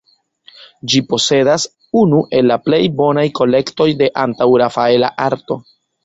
Ĝi posedas unu el la plej bonaj kolektoj de antaŭ-Rafaela arto.